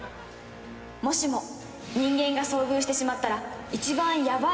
もしも人間が遭遇してしまったら一番ヤバい